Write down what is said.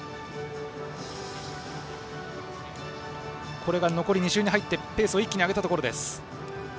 これが残り２周に入ってペースを上げたところです。